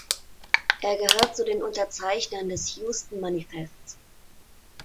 Er gehört zu den Unterzeichnern des Euston-Manifests.